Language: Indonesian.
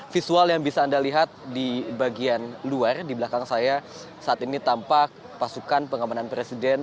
visual yang bisa anda lihat di bagian luar di belakang saya saat ini tampak pasukan pengamanan presiden